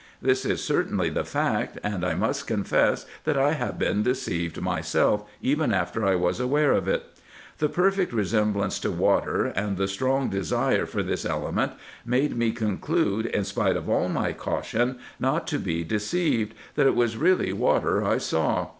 This is certainly the fact, and I must confess, that I have been deceived myself, even after I was aware of it. The perfect resemblance to water, and the strong desire for this element, made me conclude, in spite of all my caution not to be deceived, that it was really water I saw.